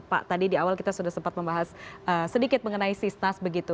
pak tadi di awal kita sudah sempat membahas sedikit mengenai sisnas begitu